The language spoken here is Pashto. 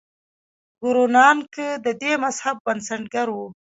ګورو نانک د دې مذهب بنسټګر و.